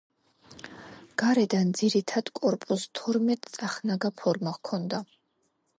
გარედან ძირითად კორპუსს თორმეტწახნაგა ფორმა ჰქონდა.